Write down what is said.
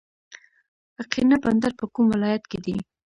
اقینه بندر په کوم ولایت کې دی؟